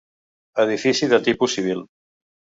Edifici de tipus civil.